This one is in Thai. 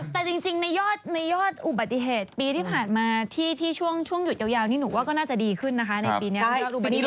แต่จริงในยอดอุบัติเหตุปีที่ผ่านมาที่ช่วงหยุดยาวนี่หนูว่าก็น่าจะดีขึ้นนะคะในปีนี้